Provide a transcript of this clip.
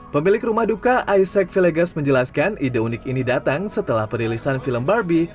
pemilik rumah duka aisek villegas menjelaskan ide unik ini datang setelah perilisan film barbie